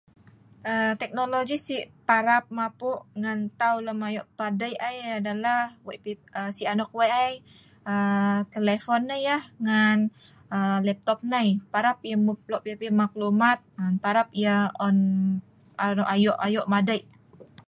um Teknologi sik parap mapu' ngan tau lem ayo padei ai ada lah sik anok weik ai um telefon nai yeh ngan um laptop nai. parap yeh mup lok pipi maklumat larap yeh on arok ayo' ayo' madei